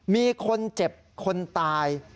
มีคนเจ็บคนตาย